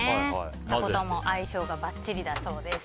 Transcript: タコとも相性がばっちりだそうです。